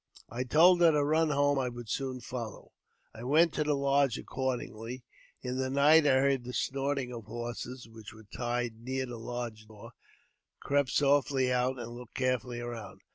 I told her to run home, and I would soon follow. I went to the lodge accordingly. In the night I heard th snorting of horses, which were tied near the lodge door crept softly out and looked carefully around.